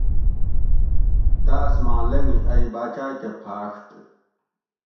تاس ماں لنگی ائ باچا کہ پھاڛت